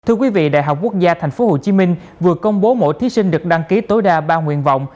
thưa quý vị đại học quốc gia tp hcm vừa công bố mỗi thí sinh được đăng ký tối đa ba nguyện vọng